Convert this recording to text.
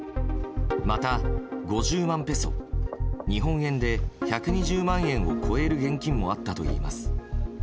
また５０万ペソ日本円で１２０万円を超える現金もあったといいます。